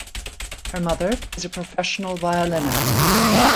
Her mother is a professional violinist.